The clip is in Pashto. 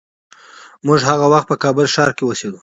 موږ هغه وخت په کابل ښار کې اوسېدو.